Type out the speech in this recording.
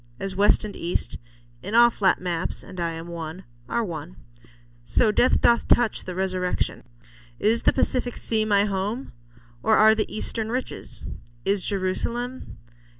As west and east In all flat maps—and I am one—are one, So death doth touch the resurrection. Is the Pacific sea my home ? Or are The eastern riches ? Is Jerusalem